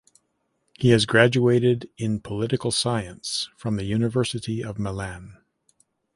He has graduated in Political Science from the University of Milan.